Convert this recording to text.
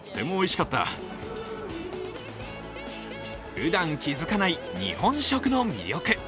ふだん気付かない日本食の魅力。